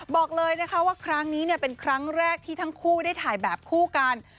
บอกเลยนะคะว่าครั้งนี้เป็นครั้งแรกที่ทั้งคู่ได้ถ่ายแบบคู่กัน